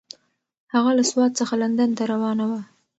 هغه له سوات څخه لندن ته روانه وه.